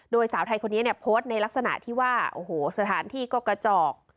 โดยสาวไทยคนนี้เนี่ยโพสต์ในลักษณะที่ว่าโอ้โหสถานที่ก็กระจอก